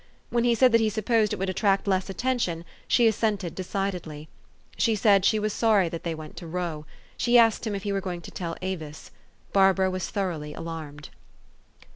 When he said that he supposed it would attract less attention, she assented decidedly. She said she was sorry they went to row. She asked him if he were going to tell Avis. Barbara was thoroughly alarmed.